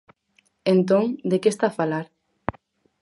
Entón, ¿de que está a falar?